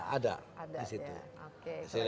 ada di situ